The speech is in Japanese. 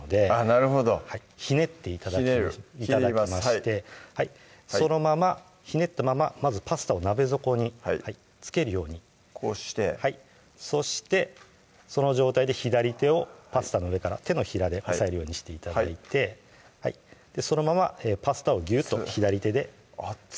なるほどひねって頂きましてそのままひねったまままずパスタを鍋底に付けるようにこうしてはいそしてその状態で左手をパスタの上から手のひらで押さえるようにして頂いてそのままパスタをぎゅっと左手であっつ